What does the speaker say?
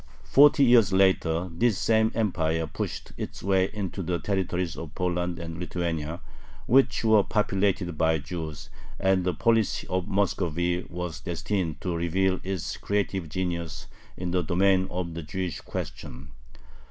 Forty years later this same Empire pushed its way into the territories of Poland and Lithuania, which were populated by Jews, and the policy of Muscovy was destined to reveal its creative genius in the domain of the Jewish question.